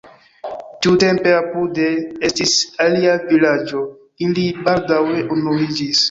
Tiutempe apude estis alia vilaĝo, ili baldaŭe unuiĝis.